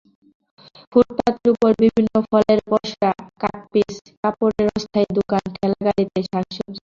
ফুটপাতের ওপর বিভিন্ন ফলের পসরা, কাটপিস কাপড়ের অস্থায়ী দোকান, ঠেলা গাড়িতে শাকসবজি।